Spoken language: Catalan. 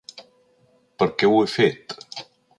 Per què ho he fet?